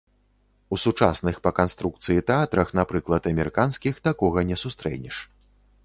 У сучасных па канструкцыі тэатрах, напрыклад, амерыканскіх, такога не сустрэнеш.